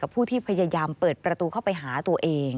ผู้ที่พยายามเปิดประตูเข้าไปหาตัวเอง